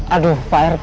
aduh pak rt